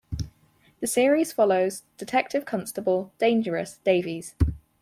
The series follows Detective Constable "Dangerous" Davies.